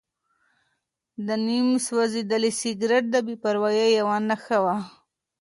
دا نیم سوځېدلی سګرټ د بې پروایۍ یوه نښه وه.